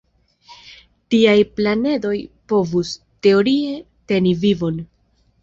Tiaj planedoj povus, teorie, teni vivon.